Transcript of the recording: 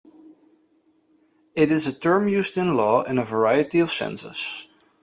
It is a term used in law in a variety of senses.